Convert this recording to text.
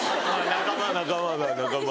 仲間仲間だよ仲間。